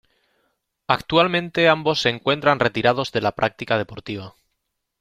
Actualmente ambos se encuentran retirados de la práctica deportiva.